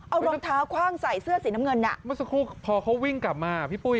เอารองเท้าฆ่างใส่เสื้อสีน้ำเงินพอเขาวิ่งกลับมาพี่ปุ้ย